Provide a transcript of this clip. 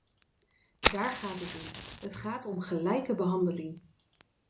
Daar gaat het om: het gaat om gelijke behandeling.